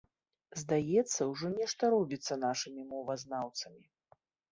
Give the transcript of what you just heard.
Здаецца, ужо нешта робіцца нашымі мовазнаўцамі.